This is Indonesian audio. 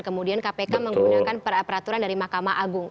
kemudian kpk menggunakan peraturan dari mahkamah agung